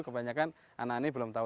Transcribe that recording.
kebanyakan anak ini belum tahu